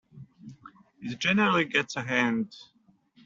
It generally gets a hand.